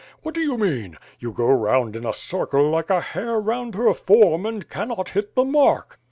What do you mean? You go round in a circle like a hare round her form and cannot hit the mark.